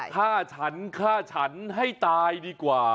ฆ่าฉันฆ่าฉันให้ตายดีกว่า